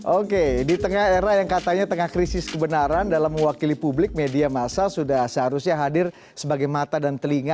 oke di tengah era yang katanya tengah krisis kebenaran dalam mewakili publik media masa sudah seharusnya hadir sebagai mata dan telinga